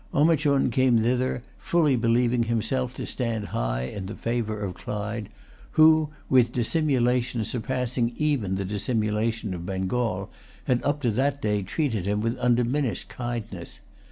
Omichund came thither, fully believing himself to stand high in the favour of Clive, who, with dissimulation surpassing even the dissimulation of Bengal, had up to that day treated him with undiminished kindness.